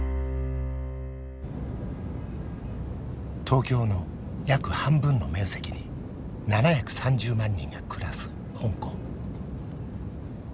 東京の約半分の面積に７３０万人が暮らす香港。